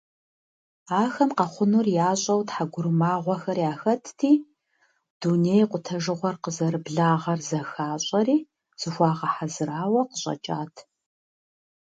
Ахэм къэхъунур ящӀэу тхьэгурымагъуэхэр яхэтти, дуней къутэжыгъуэр къызэрыблагъэр зыхащӀэри зыхуагъэхьэзырауэ къыщӀэкӀат.